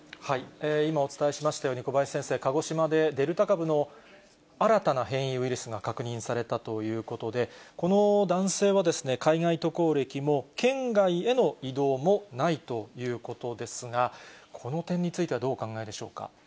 今お伝えしましたように、小林先生、鹿児島でデルタ株の新たな変異ウイルスが確認されたということで、この男性は、海外渡航歴も、県外への移動もないということですが、この点についてはどうお考